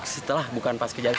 setelah bukan pas kejadian